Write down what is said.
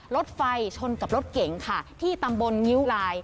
รถไฟชนกับรถเก๋งค่ะที่ตำบลงิ้วลาย